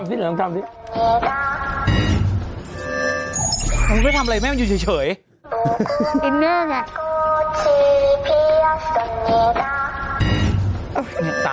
เป็นลำตอนทับหมุธิะโอเคเออมันเหมือนนก